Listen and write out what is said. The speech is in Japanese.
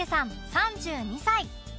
３２歳。